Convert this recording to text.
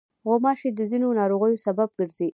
غوماشې د ځینو ناروغیو سبب ګرځي.